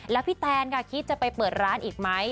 แล้วพี่แตนค่ะคิดจะไปเปิดร้านอีกไหม